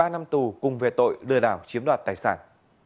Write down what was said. một mươi ba năm tù cùng về tội đưa đảo chiếm đoạt tài sản